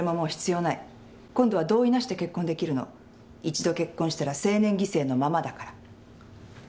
一度結婚したら成年擬制のままだから。